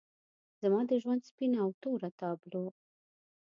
زما د ژوند سپینه او توره تابلو